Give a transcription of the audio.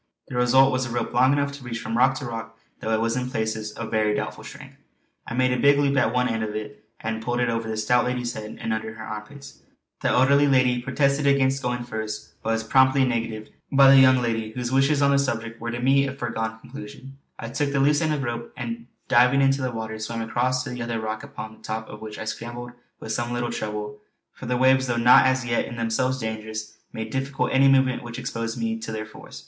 The result was a rope long enough to reach from rock to rock, though it was in places of very doubtful strength. I made a big loop at one end of it and put it over the stout lady's head and under her armpits. I cautioned both women not to tax the cord too severely by a great or sudden strain. The elder lady protested against going first, but was promptly negatived by the young lady, whose wishes on the subject were to me a foregone conclusion. I took the loose end of the rope and diving into the water swam across to the other rock upon the top of which I scrambled with some little trouble, for the waves, though not as yet in themselves dangerous, made difficult any movement which exposed me to their force.